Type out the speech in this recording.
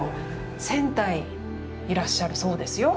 千体いらっしゃるそうですよ。